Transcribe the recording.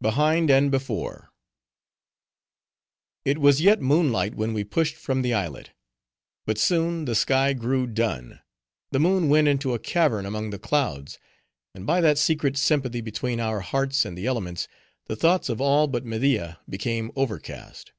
Behind And Before It was yet moonlight when we pushed from the islet. But soon, the sky grew dun; the moon went into a cavern among the clouds; and by that secret sympathy between our hearts and the elements, the thoughts of all but Media became overcast.